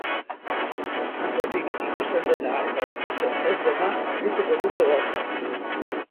Kanpotik ikusten dena eta ikusten ez dena argituko dute bertan.